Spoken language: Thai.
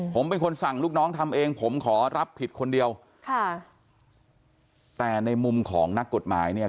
ผมเป็นคนสั่งลูกน้องทำเองผมขอรับผิดคนเดียวค่ะแต่ในมุมของนักกฎหมายเนี่ย